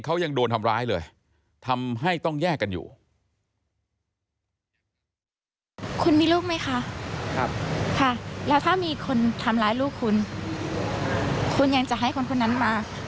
คุณยังจะให้คนคนนั้นมาเท่าใกล้ลูกคุณไหม